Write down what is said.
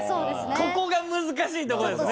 ここが難しいとこですね。